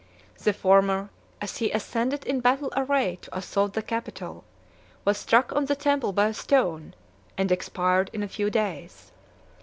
The former, as he ascended in battle array to assault the Capitol, was struck on the temple by a stone, and expired in a few days.